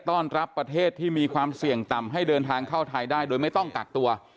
ต้อนรับประเทศที่มีความเสี่ยงต่ำให้เดินทางเข้าไทยได้โดยไม่ต้องกักตัว